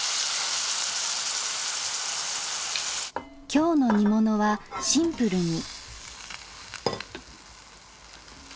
今日の煮物はシンプルに。